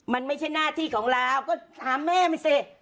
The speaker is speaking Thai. มันไม่ใช่หน้าที่ของเราก็ถามแม่มันสิ